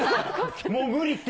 もう無理って。